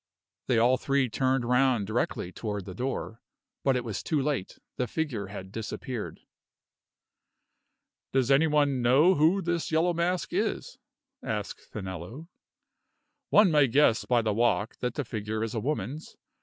They all three turned round directly toward the door. But it was too late the figure had disappeared. "Does any one know who this Yellow Mask is?" asked Finello. "One may guess by the walk that the figure is a woman's.